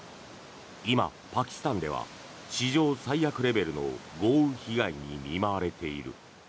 今、パキスタンでは史上最悪レベルの豪雨被害に見舞われている。